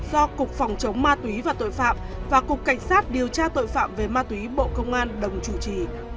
do cục phòng chống ma túy và tội phạm và cục cảnh sát điều tra tội phạm về ma túy bộ công an đồng chủ trì